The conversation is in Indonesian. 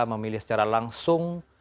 memilih secara langsung